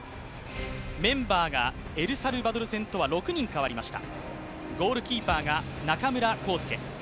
メンバーがエルサルバドル戦とは６人変わりました。